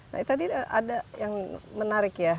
nah tadi ada yang menarik ya